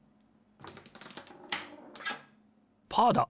パーだ！